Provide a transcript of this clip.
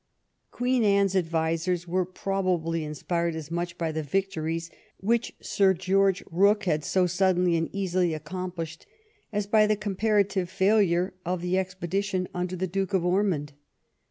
Queen Anne's advisers were probably inspired as much by the victories which Sir Qeorge Booke had so suddenly and easily accomplished as by the comparative failure of the expedition under the Duke of Ormond.